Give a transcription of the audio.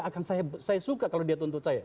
akan saya suka kalau dia tuntut saya